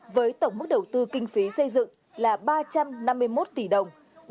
với tổng mức đầu tư kinh phí xây dựng là ba trăm năm mươi một tỷ đồng